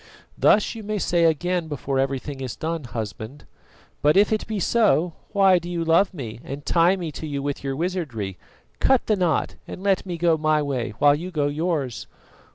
"Thus you may say again before everything is done, husband; but if it be so, why do you love me and tie me to you with your wizardry? Cut the knot, and let me go my way while you go yours."